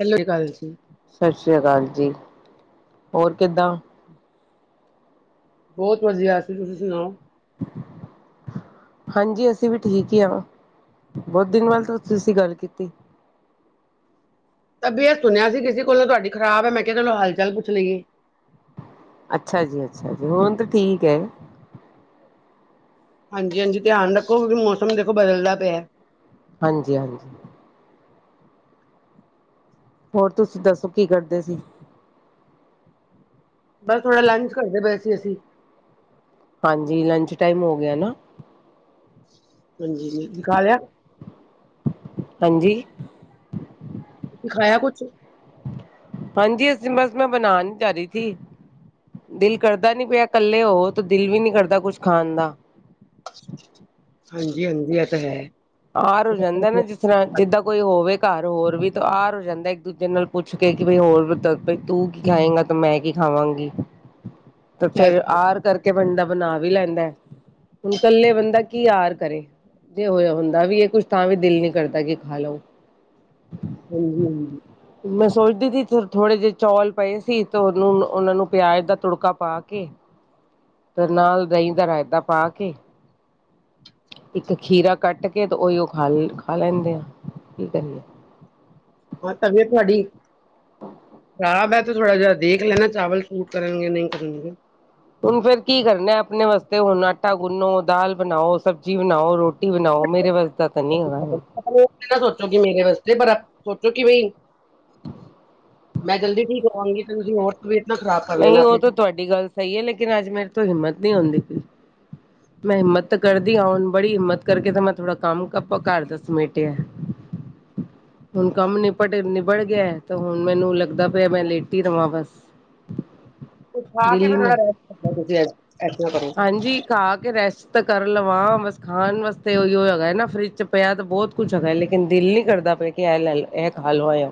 ਹੈ ਸ਼੍ਰੀ ਅਕਾਲ ਜੀ ਸਤਿ ਸ਼੍ਰੀ ਅਕਾਲ ਜੀ, ਹੋਰ ਕਿੱਦਾਂ ਬਹੁਤ ਵਧੀਆ ਸੀ ਤੁਸੀਂ ਸੁਣਾਓ ਹਾਂਜੀ ਅਸੀਂ ਵੀ ਠੀਕ ਹੀ ਹਾਂ ਬਹੁਤ ਦਿਨ ਬਾਅਦ ਤੁਸੀਂ ਗੱਲ ਕੀਤੀ ਤਬੀਅਤ ਸੁਣਿਆ ਸੀ ਕਿਸੇ ਕੋਲ ਤੁਹਾਡੀ ਖ਼ਰਾਬ ਹੈ ਮੈਂ ਕਿਹਾ ਤੁਹਲੂੰ ਹਾਲ ਚਾਲ ਪੁੱਛ ਲਈਏ ਅੱਛਾ ਜੀ, ਅੱਛਾ ਜੀ ਹੁਣ ਤਾਂ ਠੀਕ ਹੈ ਹਾਂਜੀ -ਹਾਂਜੀ ਧਿਆਨ ਰੱਖੋ ਕਿ ਮੌਸਮ ਦੇਖੋ ਬਦਲਦਾ ਪਿਆ ਹਾਂਜੀ- ਹਾਂਜੀ। ਹੋਰ ਤੁਸੀਂ ਦੱਸੋ ਕੀ ਕਰਦੇ ਸੀ ਬਸ ਥੋੜਾ ਲੰਚ ਕਰਦੇ ਪਏ ਸੀ ਅਸੀਂ ਹਾਂਜੀ, ਲੰਚ ਟਾਈਮ ਹੋ ਗਿਆ ਨਾ ਹਾਂਜੀ ਦਿਖਾ ਲਿਆ ਹਾਂਜੀ ਸਿਖਾਇਆ ਕੁਛ ਹਾਂਜੀ ਅਸੀਂ ਬਸ ਮੈਂ ਬਣਾ ਨੀ ਜਾ ਰਹੀ ਸੀ ਦਿਲ ਕਰਦਾ ਨੀ ਪਿਆ ਇਕੱਲੇ ਹੋ ਤੇ ਦਿਲ ਵੀ ਨੀ ਕਰਦਾ ਕੁਛ ਖਾਣ ਦਾ ਹਾਂਜੀ -ਹਾਂਜੀ ਆ ਤਾਂ ਹੈ ਆਰ ਹੋ ਜਾਂਦਾ ਨੇ ਜ ਤਰ੍ਹਾਂ ਜਿੱਦਾਂ ਕੋਈ ਹੋਵੇ ਘਰ ਹੋਰ ਵੀ ਤਾਂ ਆਰ ਹੋ ਜਾਂਦਾ ਇੱਕ ਦੂਜੇ ਨਾਲ ਪੁੱਛ ਕੇ ਕਿ ਬਈ ਹੋਰ ਬਈ ਤੂੰ ਕੀ ਖਾਏਂਗਾ, ਤਾਂ ਮੈਂ ਕੀ ਖਾਵਾਂਗੀ ਤੇ ਫਿਰ ਹਾਂਜੀ ਆਰ ਕਰਕੇ ਬੰਦਾ ਬਣਾ ਵੀ ਲੈਂਦਾ, ਹੁਣ ਇਕੱਲੇ ਬੰਦਾ ਕੀ ਆਰ ਕਰੇ ਜੇ ਹੋਇਆ ਹੁੰਦਾ ਦਾ ਵੀ ਇਹ ਕੁਛ ਤਾਂ ਵੀ ਦਿਲ ਨੀ ਕਰਦਾ ਕਿ ਖਾ ਲਓ ਹਮ ਹਮ ਮੈਂ ਸੋਚਦੀ ਸੀ ਥੋੜੇ ਜਿਹੇ ਚੌਲ ਪਏ ਸੀ ਤੇ ਉਹਨੂੰ ਉਹਨਾਂ ਨੂੰ ਪਿਆਜ ਦਾ ਤੁੜਕਾ ਪਾ ਕੇ [inaudible] [inaudible] ਤੇ ਨਾਲ ਦਹੀਂ ਦਾ ਰਾਇਤਾ ਪਾ ਕੇ, ਇੱਕ ਖੀਰਾ ਕੱਟ ਕੇ ਤਾਂ ਉਹੀਓ ਖ ਖਾ ਲੈਂਦੇ ਆਂ ਕੀ ਕਰੀ ਹਾਂ ਤਬੀਅਤ ਤੁਹਾਡੀ ਖਰਾਬ ਹੈ ਤੇ ਥੋੜਾ ਜਿਹਾ ਦੇਖ ਲੈਣਾ ਚਾਵਲ ਸੂਟ ਕਰਨਗੇ ਨਹੀਂ ਕਰਨਗੇ ਹੁਣ ਫੇਰ ਕੀ ਕਰਨਾ ਆਪਣੇ ਵਾਸਤੇ ਹੁਣ ਆਟਾ ਗੁੰਨੋ, ਦਾਲ ਬਣਾਓ, ਸਬਜ਼ੀ ਬਣਾਓ, ਰੋਟੀ ਟੀ ਬਣਾਓ ਮੇਰੇ ਵਸ ਤਾਂ ਨਹੀਂ ਹੈਗਾ ਨਾ ਸੋਚੋ ਕਿ ਮੇਰੇ ਵਾਸਤੇ ਪਰ ਸੋਚੋ ਕਿ ਬਈ ਮੈਂ ਜਲਦੀ ਠੀਕ ਹੋਵਾਂਗੀ ਤੇ ਤੁਂ ਔਰ ਤਬੀਅਤ ਨਾ ਖਰਾਬ ਨਹੀਂ ਉਹ ਤਾਂ ਤੁਹਾਡੀ ਗੱਲ ਸਹੀ ਹੈ ਲੇਕਿਨ ਅੱਜ ਮੇਰੇ ਤੋਂ ਹਿੰਮਤ ਨਹੀਂ ਹੁੰਦੀ ਸੀ [unintelligible] ਮੈਂ ਹਿੰਮਤ ਕਰਦੀ ਹ ਹੁਣ ਬੜੀ ਹਿੰਮਤ ਕਰਕੇ ਤੇ ਮੈਂ ਥੋੜਾ ਕੰਮ ਆਪਾਂ ਘਰ ਦ ਸਮੇਟ ਆ [unintelligible] [unintelligible] ਹੁਣ ਕੰਮ ਨਿਪਟ ਨਿਬੜ ਗਿਆ ਤੇ ਹੁਣ ਮੈਨੂੰ ਲੱਗਦਾ ਪਿਆ ਮੈਂ ਲੇਟੀ ਹੀ ਰਵਾਂ ਬਸ ਉਠਾ ਦਿਲ ਕੇ ਹੀ ਫੈਂ ਥੋੜਾ ਨੀ ਰੈਸਟ ਕਰ ਤੁਸੀਂ ਐੱਧਾ ਕਰੋ ਹਾਂਜੀ ਖਾ ਕੇ ਰੈਸਟ ਤਾਂ ਕਰ ਲਵਾਂ ਬਸ ਖਾਣ ਵਾਸਤੇ ਉਹੀ ਹੋਗਾ ਨਾ ਫਰਿਜ ਚ ਪਿਆ ਤੇ ਬਹੁਤ ਕੁਛਗਾ ਲੇਕਿਨ ਦਿਲ ਨੀ ਕਰਦਾ ਪਿਆ ਕਿ ਇਹ ਇਹ ਹਾਲ ਹੋਇ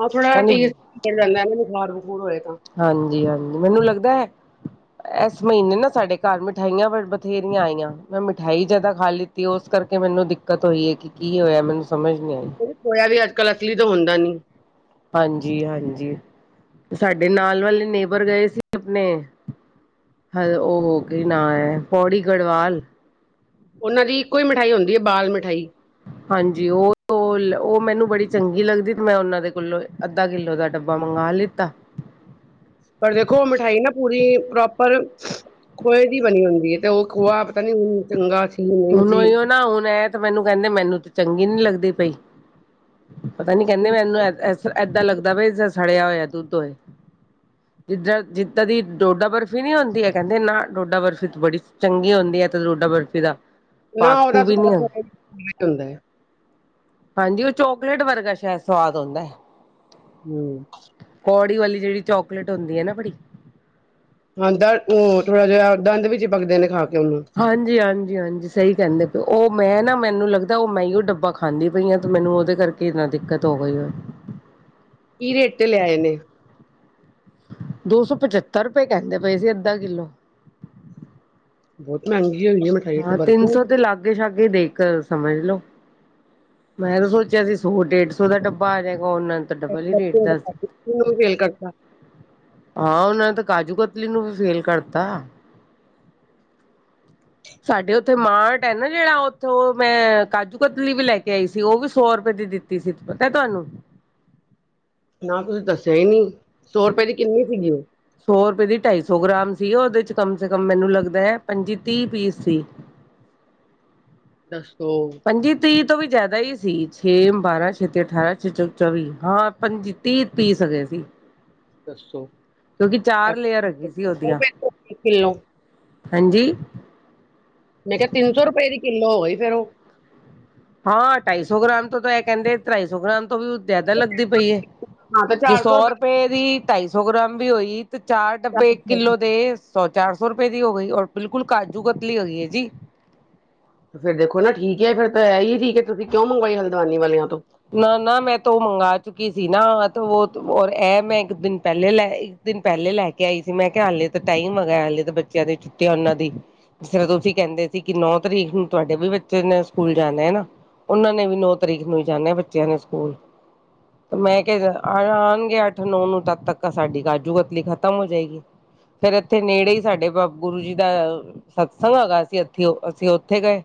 ਹਾਂ ਥੋੜਾ ਤੇਜ਼ ਚੜ ਜਾਂਦਾੇ ਬੁਖਾਰ ਬਖ਼ੂਰ ਹੋਏ ਤਾਂ [unintelligible] ਹਾਂਜੀ -ਹਾਂਜੀ ਮੈਨੂੰ ਲੱਗਦਾ ਹੈ ਇਸ ਮਹੀਨੇ ਨਾ ਸਾਡੇ ਘਰ ਮਿਠਾਈਆਂ ਬਥੇਰੀਆਂ ਆਈਆਂ ਮੈਂ ਮਿਠਾਈ ਜ਼ਿਆਦਾ ਖਾ ਲਿੱਤੀ, ਉਸ ਕਰਕੇ ਮੈਨੂੰ ਦਿੱਕਤ ਹੋਈ ਹੈ ਕਿ ਕੀ ਹੋਇਆ ਮੈਨੂੰ ਸਮਝ ਨਹੀਂ ਆਈ ਹੋਇਆ ਵੀ ਅੱਜ ਕੱਲ ਅਸਲੀ ਤਾਂ ਹੁੰਦਾ ਨੀ ਹਾਂਜੀ ਹਾਂਜੀ ਸਾਡੇ ਨਾਲ ਵਾਲੇ ਨੇਬਰ ਗਏ ਸੀ ਆਪਣੇ ਹਲ ਉਹ ਹੋ ਗ ਨਾ ਹੈ ਪੌੜੀ ਗੜਵਾਲ ਉਹਨਾਂ ਦੀ ਇੱਕੋ ਹੀ ਮਿਠਾਈ ਹੁੰਦੀ ਹੈ ਬਾਲ ਮਿਠਾਈ ਹਾਂਜੀ ਉਹ ਉਹ ਮੈਨੂੰ ਬੜੀ ਚੰਗੀ ਲੱਗਦੀ ਤੇ ਮੈਂ ਉਹਨਾਂ ਦੇ ਕੋਲੋਂ ਅੱਧਾ ਕਿੱਲੋ ਦਾ ਡੱਬਾ ਮੰਗਵਾ ਲਿੱਤਾ ਪਰ ਦੇਖੋ ਮਿਠਾਈ ਨਾ ਪੂਰੀ ਪ੍ਰੋਪਰ ਖੋਹੇ ਦੀ ਬਣੀ ਹੁੰਦੀ ਹੈ ਤੇ ਉਹ ਖੋਆ ਪਤਾ ਨੀ ਹੁਣ ਚੰਗਾ ਸੀ ਨਹੀਂ ਹੁਣ ਸੀ ਓ ਨਾ ਹੁਣ ਇਹ ਤੇ ਮੈਨੂੰ ਕਹਿੰਦੇ ਮੈਨੂੰ ਤੇ ਚੰਗੀ ਨ ਲੱਗਦੀ ਪਈ ਪਤਾ ਨੀ ਕਹਿੰਦੇ ਮੈਨੂੰ ਏਦਾਂ ਲੱਗਦਾ ਬ ਸੜਿਆ ਹੋਇਆ ਦੂਧ ਹੌਏ [unintelligible] ਜਿੱਦਾਂ ਜਿੱਦਾਂ ਦੀ ਡੋਡਾ ਬਰਫ਼ੀ ਨੀ ਹੁੰਦੀ ਹੈ ਕਹਿੰਦੇ ਨਾ ਡੋਡਾ ਬਰਫ਼ੀ ਬੜੀ ਚੰਗੀ ਹੁੰਦੀ ਹੈ ਰੋਡਾ ਬਰਫ਼ੀ ਦਾ ਨਾ ਪਾਸਕੂ ਉਹਦਾ ਚ ਵੀ ਨੀ ਬਹੁਤ ਹੁੰਦਾ ਹਾਂਜੀ ਉਹ ਚੋਕਲੇਟ ਵਰਗਾ ਸ਼ਾਇਦ ਸਵਾਦ ਆਉਂਦਾ ਹਮ ਕੌੜੀ ਵਾਲੀ ਜਿਹੜੀ ਚੋਕਲੇਟ ਹੁੰਦੀ ਹੈ ਨਾ ਬੜੀ ਹਾਂ ਦ ਉਹ ਥੋੜਾ ਜਿਹਾ ਦੰਦ ਵਿੱਚ ਹੀ ਚਿਪਕਦੇ ਨੇ ਖਾ ਕੇ ਉਹਨੂੰ ਹਾਂਜੀ ਹਾਂਜੀ ਹਾਂਜੀ ਸਹੀ ਕਹਿੰਦੇ ਪਏ ਉਹ ਮੈਂ ਨਾ ਮੈਨੂੰ ਲੱਗਦਾ ਉਹ ਮੈਂ ਹੀ ਉਹ ਡੱਬਾ ਖਾਂਦੀ ਪਈਆਂ ਤੇ ਮੈਨੂੰ ਉਹਦੇ ਕਰਕੇ ਕਿਨਾ ਦਿੱਕਤ ਹੋ ਗਈ ਕੀ ਰੇਟ ਤੇ ਲਿਆਏ ਨੇ ਦੋ ਸੌ ਪਚੱਤਰ ਰੁਪਏ ਕਹਿੰਦੇ ਪਏ ਸੀ ਅੱਧਾ ਕਿੱਲੋ ਬਹੁਤ ਮਹਿੰਗੀ ਹੋਈ ਹੈ ਮੈਂ ਹਾਂ ਤਿੰਨ ਸੌ ਤੇ ਲਾਗੇ ਸ਼ਾਗੇ ਦੇਖ ਸਮਝ ਲੋੋ ਮੈਂ ਤਾਂ ਸੋਚਿਆ ਸੀ ਸੌ ਡੇਢ ਸੌ ਦਾ ਡੱਬਾ ਆ ਜਾਏਗਾ ਉਹਨਾ [unintelligible] ਇਸ ਬਰਫ਼ੀ ਨੇ ਹਾਂ ਉਹਨਾਂ ਨੇ ਤਾਂ ਕਾਜੂ ਕਤਲੀ ਨੂੰ ਵੀ ਫੇਲ ਕਰਤਾ ਸਾਡੇ ਉੱਥੇ ਮਾਰਟ ਹੈ ਨਾ ਜਿਹੜਾ ਉੱਥੋਂ ਮੈਂ ਕਾਜੂ ਕਤਲੀ ਵੀ ਲੈ ਕੇ ਆਈ ਸੀ ਉਹ ਵੀ ਸੌ ਰੁਪਏ ਦੀ ਦਿੱਤੀ ਸੀ ਪਤਾ ਤੁਹਾਨੂੰ ਨਾ ਤੁਸੀਂ ਦੱਸਿਆ ਹੀ ਨਹੀਂ ਸੌ ਰੁਪਏ ਦੀ ਕਿੰਨੀ ਸੀਗੀ ਉਹ ਸੌ ਰੁਪਏ ਦੀ ਢਾਈ ਸੌ ਗ੍ਰਾਮ ਸੀ ਉਹਦੇ ਚ ਕਮ ਸੇ ਕਮ ਮੈਨੂੰ ਲੱਗਦਾ ਹੈ ਪੰਜੀ ਤੀਹ ਪੀਸ ਸੀ ਦੱਸੋ ਹਾਂਜੀ ਤੀਹ ਤੋਂ ਵੀ ਜ਼ਿਆਦਾ ਹੀ ਸੀ ਛੇ ਬਾਰਾਂ ਛੇਤੀ ਅਠਾਰਾਂ ਛੇ ਚੌਵੀ ਹਾਂ ਪੰ ਤੀਹ ਪੀ ਸਕੇ ਸੀ ਦੱਸੋ ਕਿਉਂਕਿ ਚਾਰ ਲੇਅਰ ਹੈਗੀ ਸੀ ਉਹਦੀਆਂ ਕਿਲੋ ਹਾਂਜੀ ਮੈਂ ਕਿਹਾ ਤਿੰਨ ਸੌ ਰੁਪਏ ਦੀ ਕਿੱਲੋ ਹੋ ਗਈ ਫੇਰ ਉਹ ਹਾਂ ਢਾਈ ਸੌ ਗ੍ਰਾਮ ਤੋਂ ਤਾਂ ਇਹ ਕਹਿੰਦੇ ਢਾਈ ਸੌ ਗ੍ਰਾਮ ਤੋਂ ਵੀ ਜ਼ਿਆਦਾ ਲੱਗਦੀ ਪਈ ਹਾਂ ਤੇ ਜੇ ਚਾਰ ਸੌ ਰੁਪਏ ਦੀ ਢਾਈ ਸੌ ਗ੍ਰਾਮ ਵੀ ਹੋਈ ਤੇ ਚਾਰ ਡੱਬੇ ਇੱਕ ਰੁਪਏ ਕਿੱਲੋ ਦੇ ਸੌ ਚਾਰ ਸੌ ਰੁਪਏ ਦੀ ਹੋ ਗਈ ਔਰ ਬਿਲਕੁਲ ਕਾਜੂ ਕਤਲੀ ਹੋ ਹੈਗੀ ਹੈ ਜੀ। ਫੇ ਦੇਖੋ ਨਾ ਠੀਕ ਹੈ ਫਿਰ ਤਾਂ ਇਹ ਹੀ ਠੀਕ ਹੈ ਤੁਸੀਂ ਕਿਉਂ ਮੰਗਵਾਈ ਹਲਦਵਾਨੀ ਵਾਲਿਆਂ ਤੋਂ। ਨਾ ਨਾ ਮੈਂ ਤਾਂ ਉਹ ਮੰਗਵਾ ਚੁੱਕੀ ਸੀ ਨਾ ਉਹ ਇਹ ਮੈਂ ਇੱਕ ਦਿਨ ਪਹਿਲੇ ਲੈ ਦਿਨ ਪਹਿਲੇ ਲੈ ਕੇ ਆਈ ਸੀ ਮੈਂ ਕਿਹਾ ਹਾਲੇ ਤਾਂ ਟਾਈਮ ਆਗਾ ਹਾਲੇ ਤਾਂ ਬੱਚਿਆਂ ਦੀ ਛੁੱਟੀਆਂ ਉਹਨਾਂ ਦੀ ਜਿਸ ਤਰ੍ਹਾਂ ਤੁਸੀਂ ਕਹਿੰਦੇ ਸੀ ਕਿ ਨੌ ਤਰੀਕ ਨੂੰ ਤੁਹਾਡੇ ਵੀ ਬੱਚੇ ਨੇ ਸਕੂਲ ਜਾਣਾ ਹੈ ਨਾ ਉਹਨਾਂ ਨੇ ਵੀ ਨੌ ਤਰੀਕ ਨੂੰ ਜਾਣਿਆ ਬੱਚਿਆਂ ਨੇ ਸਕੂਲ ਮੈਂ ਕਿਹਾ ਆਉਣਗੇ ਅੱਠ ਨੌ ਨੂੰ ਤਦ ਤੱਕ ਸਾਡੀ ਕਾਜੂ ਕਤਲੀ ਖ਼ਤਮ ਹੋ ਜਾਏਗੀ ਫੇਿਰ ਇੱਥੇ ਨੇੜੇ ਹੀ ਸਾਡੇ ਬ ਗੁਰੂ ਜੀ ਦਾ ਸਤਸਗ ਆ ਗਏ ਅ ਸੀਂ ਇੱਥੇ ਅਸੀਂ ਉੱਥੇ ਗਏ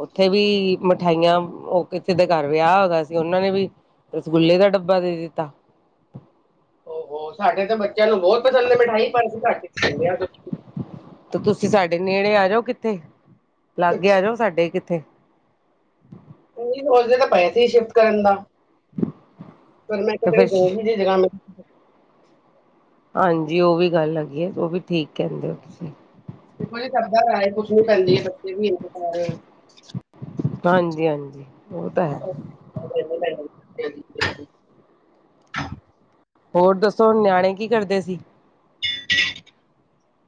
ਉੱਥੇ ਵੀ ਮਿਠਾਈਆਂ ਉਹ ਕਿਸੇ ਦੇ ਕਾਰ ਵਿਆਹ ਹੋ ਗਿਆ ਸੀ ਉਹਨਾਂ ਨੇ ਵੀ ਰਸਗੁੱਲੇ ਦਾ ਡੱਬਾ ਦੇ ਦਿੱਤਾ ਹੋ ਸਾਡੇ ਤੇ ਬੱਚਿਆਂ ਨੂੰ ਬਹੁਤ ਪਸੰਦ ਹੈ ਮਿਠਾਈ ਪਰ ਅਸੀ ਘਰ ਖਦੇ ਆ ਤੇ ਤੁਸੀਂ ਸਾਡੇ ਨੇੜੇ ਆ ਜਾਓ ਕਿੱਥੇ ਲਾਗੇ ਆ ਜਾਓ ਸਾਡੇ ਕਿੱਥੇ। ਨਹੀਂ ਸੋਚ ਦੇ ਤਾ ਪਏ ਸੀ ਸ਼ਿਫਟ ਕਰਨ ਦਾ ਪਰ ਮੈਂ ਤੇ ਕਿਹਾ ਫਿਰ ਰੇਹਣ ਈ ਦਿ ਮਿਲ [inaudible] ਹਾਂਜੀ ਉਹ ਵੀ ਗੱਲ ਹੈਗੀ ਹੈ ਉਹ ਵੀ ਠੀਕ ਕਹਿੰਦੇ ਹੋ ਤੁਸੀਂ। ਦੇਖੋ ਜੀ ਸਦਾਏ ਕੁਛ ਨੀ ਕਰੀ ਬੱਚੇ ਵੀ ਇ ਰਹੇ [inaudible] ਹਾਂਜੀ ਹਾਂਜੀ ਉਹ ਤਾਂ ਹੈ। [unintelligible] ਹੋਰ ਦੱਸੋ ਨਿਆਣੇ ਕੀ ਕਰਦੇ ਸੀ।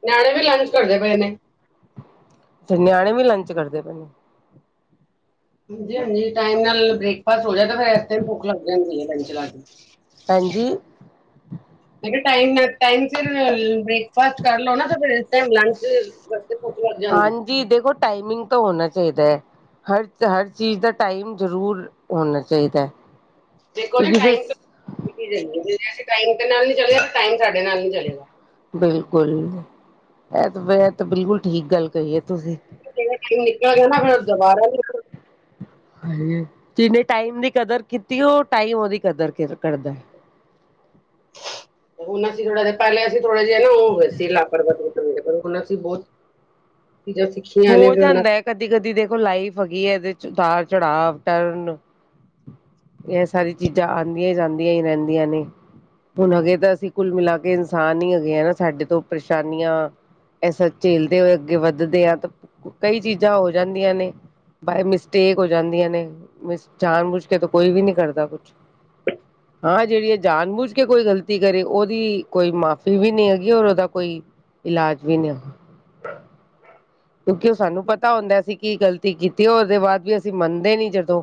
ਨਿਆਣੇ ਵੀ ਲੰਚ ਕਰਦੇ ਪਏ ਨੇ। ਤੇ ਨਿਆਣੇ ਵੀ ਲੰਚ ਕਰਦੇ ਪਏ। ਹਾਂਜੀ, ਹਾਂਜੀ ਟਾਈਮ ਨਾਲ ਬ੍ਰੇਕਫਾਸਟ ਹੋ ਜਾਏ ਤੇ ਫਿਰ ਤੇ ਹੀ ਭੁੱਖ ਲੱਗ ਜਾਂਦੀ ਲ ਚ ਲ ਕੇ ਹਾਂਜੀ। [unintelligible] ਮ ਕਿਹਾ ਟਾਈਮ ਨਾਲ ਟਾਈਮ ਸੀਰ ਫਿਰ ਬ੍ਰੇਕਫਾਸਟ ਕਰ ਲਓ ਨਾ ਫਿਰ ਇਸ ਟਾਈਮ ਲੰਚ ਭੁੱਖ ਲੱਗ ਜਾਂਦੀ ਹਾਂਜੀ ਦੇਖੋ ਟਾਈਮਿੰਗ ਤਾਂ ਹੋਣਾ ਚਾਹੀਦਾ ਹੈ। ਹਰ ਹਰ ਚੀਜ਼ ਦਾ ਟਾਈਮ ਜ਼ਰੂਰ ਹੋਣਾ ਚਾਹੀਦਾ। ਦੇਖੋ ਜੀ ਕਿਉਂਕਿ ਫਿਰ ਟਾਈਮ ਅਸੀਂ ਟਾਈਮ ਦੇ ਨਾਲ ਨੀ ਚਲੇ ਟਾਈਮ ਸਾਡੇ ਨਾਲ ਨੀ ਚਲੇਗਾ। ਬਿਲਕੁਲ ਇਹ ਤਾਂ ਮ ਤਾਂ ਬਿਲਕੁਲ ਠੀਕ ਗੱਲ ਕਹੀ ਹੈ ਤੁਸੀਂ। ਟਾਈਮ ਨਿਕਲ ਗਿਆ ਨਾ ਫਿਰ ਦੁਬਾਰਾ ਵੀ ਨਿਕ ਜਿਨੇ ਟਾਈਮ ਦੀ ਕਦਰ ਕੀਤੀ ਉਹ ਟਾਈਮ ਉਹਦੀ ਕਦਰ ਕਰਦਾ। ਹੁਣ ਅਸੀਂ ਥੋੜਾ ਹਾ ਪਹਿਲੇ ਅਸੀਂ ਥੋੜਾ ਜਿਹਾ ਨਾ ਹੋ ਸੀ ਲਪਰਵਾ ਵੀ ਕਰ ਪਰ ਹੁਣ ਅਸੀਂ ਬਹੁਤ ਸੀ ਹੋ ਜਾਂਦਾ ਹੈ ਕਦੀ ਕਦੀ ਦੇਖੋ ਲਾਈਫ ਹੈਗੀ ਇਹਦੇ ਚ ਉਤਾਰ ਚੜਾਵ ਟਰਨ ਇਹ ਸਾਰੀ ਚੀਜ਼ਾਂ ਆਉਂਦੀਆਂ ਜਾਂਦੀਆਂ ਹੀ ਰਹਿੰਦੀਆਂ ਨੇ। ਹੁਣ ਹਗੇ ਤਾਂ ਅਸੀਂ ਕੁੱਲ ਮਿਲਾ ਕੇ ਇਨਸਾਨ ਹੀ ਹੈਗੇ ਹੈ ਸਾਡੇ ਤੋਂ ਪਰੇਸ਼ਾਨੀਆਂ। ਐਸਾ ਝੇਲਦੇ ਹੋਏ ਅੱਗੇ ਵੱਧਦੇ ਆ ਤਾਂ ਕਈ ਚੀਜ਼ਾਂ ਹੋ ਜਾਂਦੀਆਂ ਨੇ। ਬਾਏ ਮਿਸਟੇਕ ਹੋ ਜਾਂਦੀਆਂ ਨੇ ਮਿਸ ਜਾਣ ਬੁਝ ਕੇ ਕੋਈ ਵੀ ਨੀ ਕਰਦਾ ਕੁਛ। ਅ ਹਾਂ ਜਿਹੜੀ ਆ ਜਾਣ ਬੂਝ ਕੇ ਕੋਈ ਗ਼ਲਤੀ ਕਰੇ ਉਹਦੀ ਕੋਈ ਮਾਫ਼ੀ ਵੀ ਨਹੀਂ ਹੈਗੀ ਔਰ ਉਹਦਾ ਕੋਈ ਇਲਾਜ ਵੀ ਨਾ ਕਿਉਂਕਿ ਉਹ ਸਾਨੂੰ ਪਤਾ ਹੁੰਦਾ ਸੀਂ ਕੀ ਗਲਤੀ ਕੀਤੀ ਉਹਦੇ ਬਾਅਦ ਵੀ ਅਸੀਂ ਮੰਨਦੇ ਨੀ ਜਦੋਂ।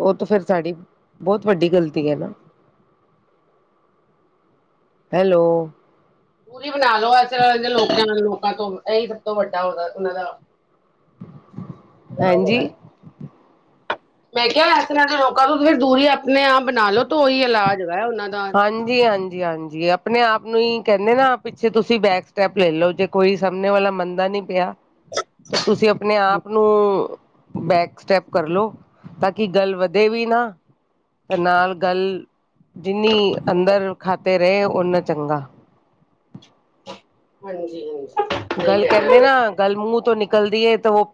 ਉਹ ਤਾਂ ਫਿਰ ਸਾਡੀ ਬਹੁਤ ਵੱਡੀ ਗਲਤੀ ਹੈ ਨਾ। [unintelligible] ਹੈਲੋ। ਪੂਰੀ ਬਣਾ ਲਓ ਇਸਦੇ ਲੋਕਾਂ ਲੋਕਾਂ ਤੋਂ ਇਹੀ ਸਭ ਤੋਂ ਵੱਡਾ ਉਹਦਾ ਉਹਣਾ ਦਾ ਇਲਾਜ ਹਾਂਜੀ। ਹੈਗਾ ਮੈਂ ਕਿਆ ਇਸ ਤਰ੍ਹਾਂ ਦੇ ਲੋਕਾਂ ਤੋਂ ਫਿਰ ਦੂਰੀ ਅਪਨੇ ਆਪ ਬਨਾ ਲੋ ਤੁ ਉਈ ਇਲਾਜ ਹੈਗਾ ਉਹਨਾਂ ਦਾ। ਹਾਂਜੀ, ਹਾਂਜੀ, ਹਾਂਜੀ ਆਪਣੇ ਆਪ ਨੂੰ ਹੀ ਕੇਂਦੇ ਨਾ ਪਿੱਛੇ ਤੁਸੀਂ ਬੈਕ ਸਟੈਪ ਲੈ ਲੋ ਜੇ ਕੋਈ ਸਾਮਨੇ ਵਾਲਾ ਮੰਦਾ ਨੀ ਪਆ ਤੇ ਤੁਸੀਂ ਅਪਨੇ ਆਪ ਨੂੰ ਬੈਕ ਸਟੈਪ ਕਰਲੋ ਤਾਂ ਕਿ ਗੱਲ ਵਧੇ ਵੀ ਨਾ ਤੇ ਨਾਲ ਗੱਲ ਜਿੰਨੀ ਅੰਦਰ ਖਾ ਤੇ ਰੇ ਉਹਨਾ ਚੰਗਾ ਹਾਂਜੀ-ਹਾਂਜੀ। ਗਲ ਕੇਂਦੇ ਨਾ ਗਲ ਮੂੰਹ ਚੌ ਨਿਕਲਦੀ ਏ ਤਿਓ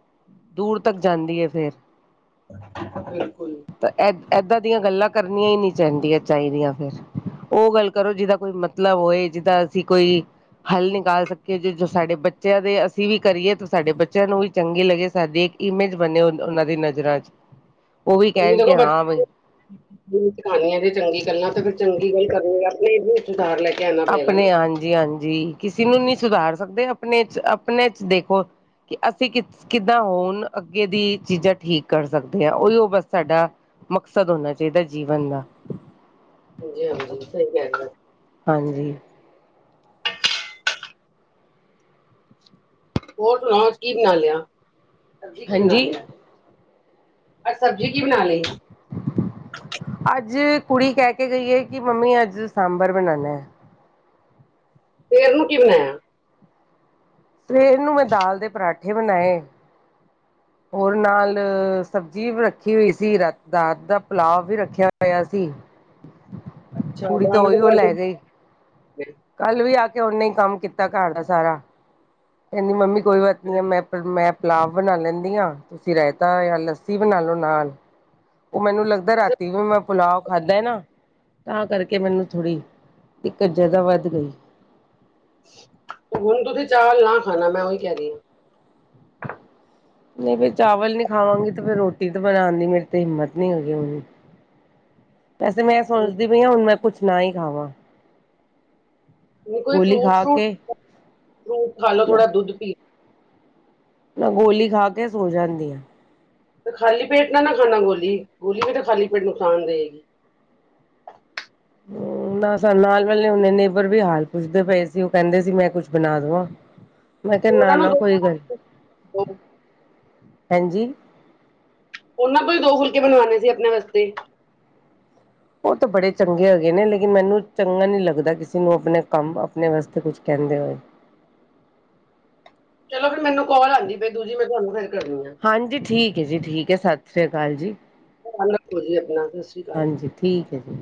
ਦੂਰ ਤੱਕ ਜਾਂਦੀ ਏ ਫੇਰ ਬਿਲਕੁਲ ਤਾਂ ਏ ਏਦਾਂ ਦੀਆਂ ਗੱਲਾਂ ਕਰਨੀਆਂ ਈ ਨੀ ਚਾਈਦੀਆ ਚਾਹੀਦੀਆਂ ਫੇਰ ਉ ਗੱਲ ਕਰੋ ਜਿਦਾ ਕੋਈ ਮਤਲਬ ਹੋਏ ਜਿਦਾ ਅਸੀਂ ਕੋਈ ਹੱਲ ਨਿਕਾਲ ਸਕੀਏ ਜੇ ਸਾਡੇ ਬੱਚਿਆਂ ਦੇ ਅਸੀਂ ਵੀ ਕਰੀਏ ਤਾਂ ਸਾਡੇ ਬੱਚਿਆਂ ਨੂੰ ਵੀ ਚੰਗੀ ਲੱਗੇ, ਸਾਡੀ ਇੱਕ ਇਮੇਜ ਬਣੇ ਉਹਨਾਂ ਦੀ ਨਜ਼ਰਾਂ 'ਚ। [unintelligible] ਉਹ ਵੀ ਕਹਿਣਗੇ ਹਾਂ ਬਈ ਕਾਨੀਆਂ ਤੇ ਚੰਗੀ ਗੱਲਾਂ ਤੇ ਫਰ ਚੰਗੀ ਗੱਲ ਕਰਨੀ ਆਪਣੇ ਘਰ ਲੈ ਕੇ ਪਏਗਾ ਨਾ ਆਪਣੇ ਹਾਂਜੀ ਹਾਂਜੀ ਕਿਸੇ ਨੂੰ ਨਹੀਂੀ ਸੁਧਾਰ ਸਕਦੇ ਆਪਣੇ ਚ ਆਪਣੇ ਚ ਦੇਖੋ ਕਿ ਅਸੀਂ ਕਿ ਕਿੱਦਾਂ ਹੋਣ ਅੱਗੇ ਦੀ ਚੀਜ਼ਾਂ ਠੀਕ ਕਰ ਸਕਦੇ ਆ ਉਹੀਓ ਬਸ ਸਾਡਾ ਮਕਸਦ ਹੋਣਾ ਚਾਈਦਾ ਜੀਵਨ ਦਾ ਹਾਂਜ ਹਾਂਜੀ, ਸਈ ਕੇ ਰਏ ਔ। ਹਾਂਜੀ। ਹੋ ਸੁਣਾ ਆਜ ਕੀ ਬਣਾ ਲਿਆ? ਸਬਜ਼ੀ ਕੀ ਬਣਾ ਹਾਂਜੀ ਲੀਏ? ਆਜ ਸਬਜ਼ੀ ਕੀ ਬਣਾ ਲਈ? ਅੱਜ ਕੁੜੀ ਕੈ ਕੇ ਗਈ ਐ, ਕਿ ਮੰਮੀ ਅੱਜ ਸਾਂਬਰ ਬਨਾਨਾ ਏ। ਸਵੇਰ ਨੂੰ ਕੀ ਬਨਾਇਆ? ਸਵੇਰ ਨੂੰ ਮੈਂ ਦਾਲ ਦੇ ਪਰਾਂਠੇ ਬਣਾਏ। ਹੋਰ ਨਾਲ ਸਬਜ਼ੀ ਵੀ ਰੱਖੀ ਹੋਈ ਸੀ ਰਾਤ ਦਾ ਅੱਧਾ ਪੁਲਾਵ ਵੀ ਰੱਖਿਆ ਹੋਇਆ ਸੀ। ਅੱਛਾ ਕੁੜੀ ਤਾਂ ਦਾਲ ਦੇ ਉਈ ਉ ਪਰਾਂਠੇ ਲੈ ਬਣਾ ਗਈ ਲਏ। ਕੱਲ ਵੀ ਆ ਕੇ ਓਨੇ ਹੀ ਕੰਮ ਕੀਤਾ ਘਰ ਦਾ ਸਾਰਾ ਕਹਿੰਦੀ ਮੰਮੀ ਕੋਈ ਬਾਤ ਨੀ ਮੈਂ ਮੈਂ ਪਲਾਵ ਬਣਾ ਲੈਂਦੀ ਹਾਂ ਤੁਸੀਂ ਰਾਇਤਾ ਯਾ ਲੱਸੀ ਬਣਾ ਲੋ ਨਾਲ ਉ ਮੈਨੂੰ ਲੱਗਦਾ ਅੱਛਾ ਰਾਤੀ ਵੀ ਮੈਂ ਪੁੁਲਾਓ ਖਾਧਾ ਏ ਨਾ ਤਾਂ ਕਰਕੇ ਮੈਨੂੰ ਥੋੜ੍ਹੀ ਦਿੱਕਤ ਜ਼ਾਦਾ ਵੱਧ ਗਈ। ਹੁਣ ਤੁਸੀ ਚਾਵਲ ਨਾ ਖਾਣਾ ਮੈਂ ਉਹੀ ਕਹਿ ਰਹੀ ਹਾਂ। ਨਹੀਂ ਫ ਚਾਵਲ ਨੀ ਖਾਵਾਂਗੀ ਤੇ ਫ ਰੋਟੀ ਤਾਂ ਬਣਾਨ ਦੀ ਮੇਰੀ ਤੇ ਹਿੰਮਤ ਨੀ ਹੈਗੀ ਹੁਨ [inaudible] ਵੈਸੇ ਮੈਂ ਹਾਂ ਸੋਚਦੀ ਪਈ ਆ ਹੁਣ ਮੈਂ ਕੁਛ ਨਾ ਹੀ ਖਾਵਾਂ ਕੋਈ ਗੋਲੀ ਫਰੂਟ ਖਾ ਸੁੱਟ ਕੇ ਫਰੂਟ ਖਾ ਲੋ ਥੋੜਾ ਦੁੱਧ ਪੀ ਮੈਂ ਗੋਲੀ ਖਾ ਕੇ ਸੋ ਜਾਂਦੀ ਆ। ਤੇ ਖਾਲੀ ਪੇਟ ਨਾ ਨਾ ਖਾਣਾ ਗੋਲੀ, ਗੋਲੀ ਵੀ ਤੇ ਖਾਲੀ ਪੇਟ ਨੁਕਸਾਨ ਦੇਗੀ। ਨਾ ਨਾਲ ਵਾਲੇ ਹੁਨੇ ਨੇਬਰ ਵੀ ਹਾਲ ਪੁੱਛਦੇ ਪਏ ਸੀ, ਉਹ ਕੇਂਦੇ ਸੀ ਮੈਂ ਕੁਛ ਬਣਾ ਦਵਾਂ? [inaudible] ਮੈਂ ਕਿਹਾ ਨਾ ਉਹਨਾਂ ਨੂੰ ਨਾ ਦੋ ਕੋਈ ਗੱਲ ਨੀ। ਹਾਂਜੀ ਉਹਨਾਂ ਤੋਂ ਦੋ ਫੁਲਕੇ ਬਨਵਾਨੇ ਸੀ ਅਪਨੇ ਵਾਸਤੇ ਉਹ ਤਾਂ ਬੜੇ ਚੰਗੇ ਹੈਗੇ ਨੇ। ਲੇਕਿਨ ਮੈਨੂੰ ਚੰਗਾ ਨੀ ਲੱਗਦਾ ਕਿਸੇ ਨੂੰ ਆਪਨੇ ਕੰਮ, ਆਪਨੇ ਵਾਸਤੇ ਕੁਛ ਕੇਂਦੇ ਹੋਏ ਚਲੋ ਫੇਰ ਮੈਨੂੰ ਕੋਲ ਆਂਦੀ ਪਈ ਦੂਜੀ ਮੈਂ ਤੁਹਾਨੂੰ ਫੇਰ ਕਰਨੀ ਆ। ਹਾਂਜੀ ਠੀਕ ਏ ਜੀ, ਠੀਕ ਏ ਸਤਿ ਸ਼੍ਰੀ ਅਕਾਲ ਜੀ। [unintelligible] ਆਪਣਾ ਦੱਸ? ਹਾਂਜੀ ਠੀਕ ਹੈ ਜੀ